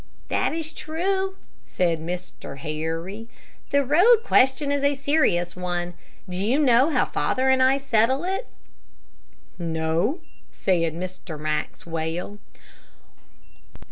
"That is true," said Mr. Harry, "the road question is a serious one. Do you know how father and I settle it?" "No," said Mr. Maxwell.